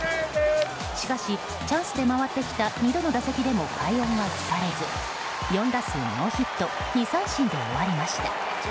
しかしチャンスで回ってきた２度の打席でも快音は聞かれず４打数ノーヒット２三振で終わりました。